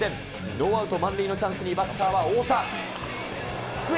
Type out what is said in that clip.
ノーアウト満塁のチャンスにバッターは太田。